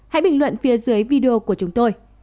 hãy bình luận phía dưới video của chúng tôi